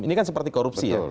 ini kan seperti korupsi ya